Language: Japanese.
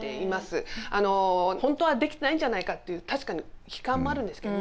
本当はできてないんじゃないかっていう確かに悲観もあるんですけども